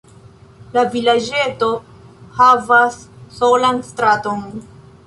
La vilaĝeto havas solan straton.